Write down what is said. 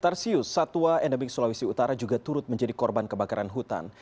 tarsius satwa endemik sulawesi utara juga turut menjadi korban kebakaran hutan